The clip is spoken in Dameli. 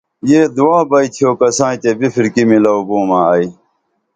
یہ دعا بئی تھیو کساں تیہ بِپھرکی میلو بومہ ائی